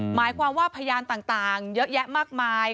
หมายความว่าพยานต่างเยอะแยะมากมาย